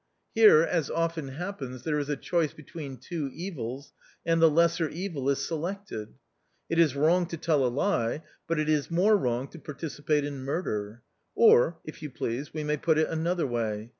Here, as often hap pens, there is a choice between two evils, and the lesser evil is selected. It is wrong to tell a lie, but it is more wrong to partici pate in murder. Or if you please, we may put it another way.